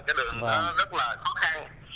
cái đường nó rất là khó khăn